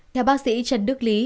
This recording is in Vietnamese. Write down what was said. theo bác sĩ trần đức lý